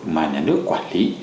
mà nhà nước quản lý